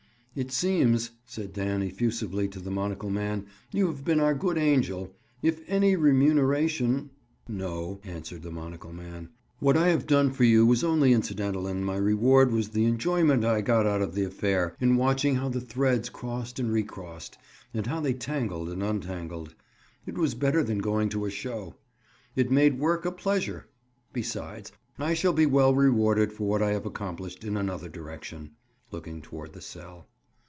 "It seems," said Dan effusively to the monocle man, "you have been our good angel. If any remuneration—?" "No," answered the monocle man. "What I have done for you was only incidental and my reward was the enjoyment I got out of the affair—in watching how the threads crossed and recrossed, and how they tangled and untangled. It was better than going to a show. It made work a pleasure. Besides, I shall be well rewarded for what I have accomplished in another direction." Looking toward the cell.